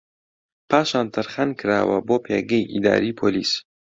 پاشان تەرخان کراوە بۆ پێگەی ئیداریی پۆلیس